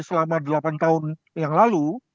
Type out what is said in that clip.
selama delapan tahun yang lalu